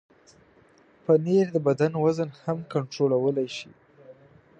پنېر د بدن وزن هم کنټرولولی شي.